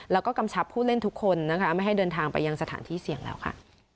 แล้วก็กำชับผู้เล่นทุกคนนะคะไม่ให้เดินทางไปยังสถานที่เสี่ยงแล้วค่ะ